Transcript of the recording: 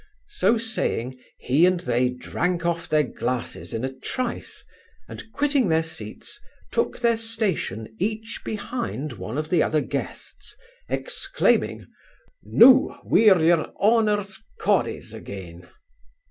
So saying, he and they drank off their glasses in a trice, and quitting their seats, took their station each behind one of the other guests; exclaiming, 'Noo we're your honours cawdies again.